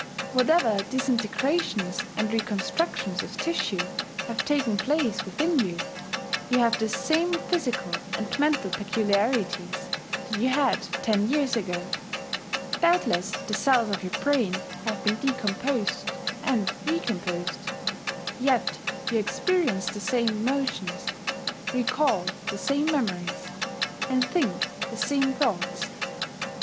Whatever disintegrations and reconstructions of tissue have taken place within you, you have the same physical and mental peculiarities that you had ten years ago. Doubtless the cells of your brain have been decomposed and recomposed: yet you experience the same emotions, recall the same memories, and think the same thoughts.